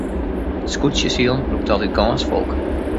It skûtsjesilen lûkt altyd gâns folk.